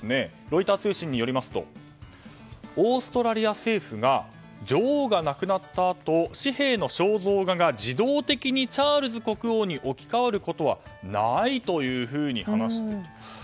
ロイター通信によりますとオーストラリア政府が女王が亡くなったあと紙幣の肖像画が自動的にチャールズ国王に置き換わることはないと話しています。